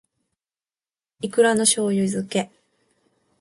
いくらの醬油漬け